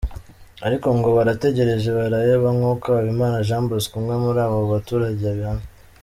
Ariko ngo barategereje baraheba; nkuko Habimana Jean Bosco, umwe muri abo baturage abihamya.